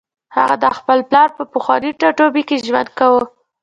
هغه د خپل پلار په پخواني ټاټوبي کې ژوند کاوه